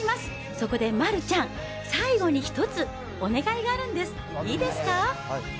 そこで丸ちゃん、最後に一つ、お願いがあるんです、いいですか？